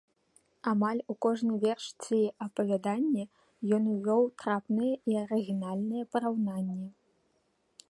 Амаль у кожны верш ці апавяданне ён увёў трапныя і арыгінальныя параўнанні.